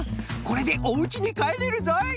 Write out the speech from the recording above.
これでおうちにかえれるぞい。